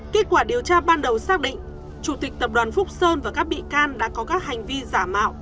kết quả điều tra ban đầu xác định chủ tịch tập đoàn phúc sơn và các bị can đã có các hành vi giả mạo